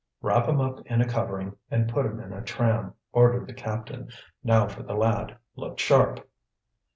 "Wrap him up in a covering, and put him in a tram," ordered the captain. "Now for the lad; look sharp."